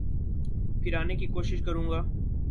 پھر آنے کی کوشش کروں گا۔